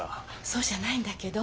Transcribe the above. そうじゃないんだけど。